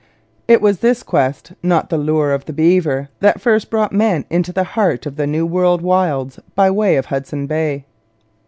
It was this quest, not the lure of the beaver, that first brought men into the heart of New World wilds by way of Hudson Bay.